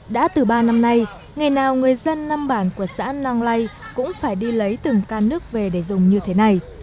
đã từ ba năm nay ngày nào người dân nam bản của xã nong lai cũng phải đi lấy từng can nước về để dùng như thế này